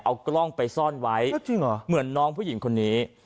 เอากล้องไปซ่อนไว้เหมือนน้องผู้หญิงคนนี้